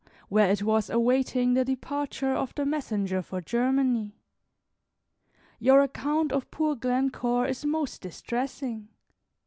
where it was awaiting the departure of the messenger for Germany. Your account of poor Glencore is most distressing.